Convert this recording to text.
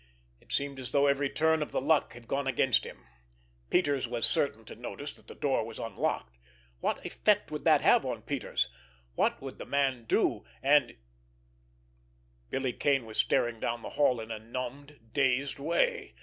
It seemed as though every turn of the luck had gone against him. Peters was certain to notice that the door was unlocked. What effect would that have on Peters? What would the man do, and—— Billy Kane was staring down the hall in a numbed, dazed way.